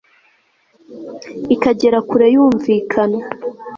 ikagera kure yumvikana